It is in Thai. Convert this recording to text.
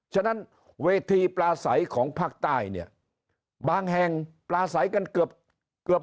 ฉะนั้นเวทีปราศัยของภาคใต้เนี่ยบางแห่งปราศัยกันเกือบ